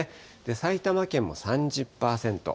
埼玉県も３０％。